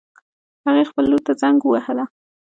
هغې خپل لور ته زنګ ووهله